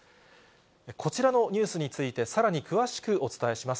こちらのニュースについて、さらに詳しくお伝えします。